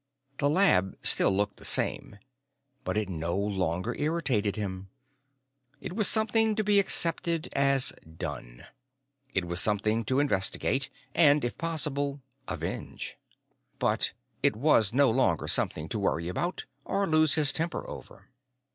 The lab still looked the same, but it no longer irritated him. It was something to be accepted as done. It was something to investigate, and if possible avenge. But it was no longer something to worry about or lose his temper over.